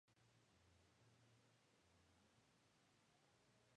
Fue así como comenzaron a aparecer diferentes juveniles en algunos partidos de primera.